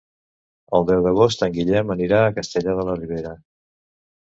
El deu d'agost en Guillem anirà a Castellar de la Ribera.